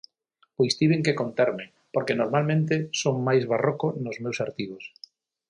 Pois tiven que conterme, porque normalmente son máis barroco, nos meus artigos.